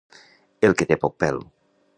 El que té poc pèl.